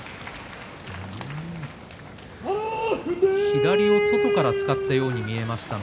左を外から使ったように見えました。